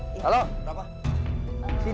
maaf enak nggak nih